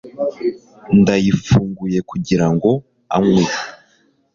ndayifunguye, kugirango anywe